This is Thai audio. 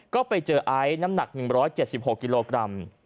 ก็ไปเจอไอซ์น้ำหนัก๑๗๖กิโลกรัม